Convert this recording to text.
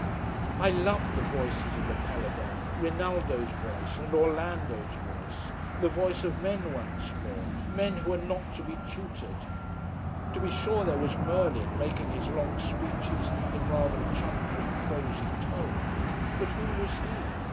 I loved the voices of the Paladins Rinaldo's voice, and Orlando's voice: the voice of men once more, men who are not to be tutored. To be sure there was Merlin making his long speeches in rather a chuntering, prosy tone. But who was he?